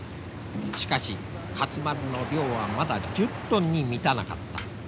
しかし勝丸の漁はまだ１０トンに満たなかった。